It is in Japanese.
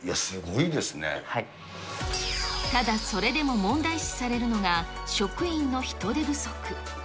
ただ、それでも問題視されるのが、職員の人手不足。